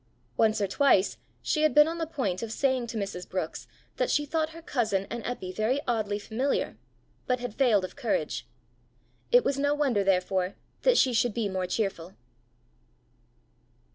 Once or twice she had been on the point of saying to Mrs. Brookes that she thought her cousin and Eppy very oddly familiar, but had failed of courage. It was no wonder therefore that she should be more cheerful.